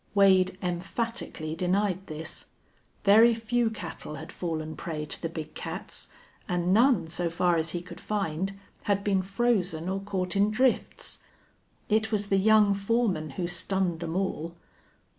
Wade emphatically denied this. Very few cattle had fallen prey to the big cats, and none, so far as he could find, had been frozen or caught in drifts. It was the young foreman who stunned them all.